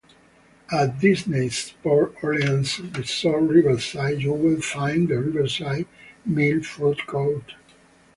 At Disney's Port Orleans Resort Riverside you will find the Riverside Mill Food Court.